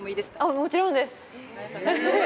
もちろんですええ！